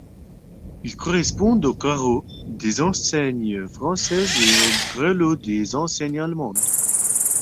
Ils correspondent aux carreaux des enseignes françaises et aux grelots des enseignes allemandes.